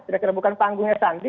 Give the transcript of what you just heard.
tidak kira bukan panggungnya santi